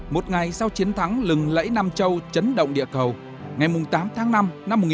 một ngày sau chiến thắng lừng lẫy nam châu chấn động địa cầu ngày tám tháng năm năm một nghìn chín trăm bốn mươi năm